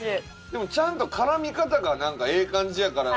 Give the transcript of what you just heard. でもちゃんと絡み方がなんかええ感じやから。